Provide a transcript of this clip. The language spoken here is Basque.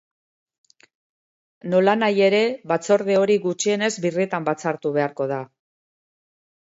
Nolanahi ere, batzorde hori gutxienez birritan batzartu beharko da.